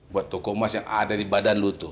buat toko emas yang ada di badan lu tuh